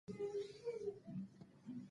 پغمان ماڼۍ تاریخي ده؟